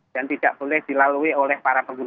dan tidak boleh dilalui oleh para pengguna